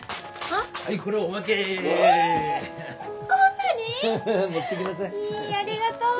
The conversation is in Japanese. ありがとう！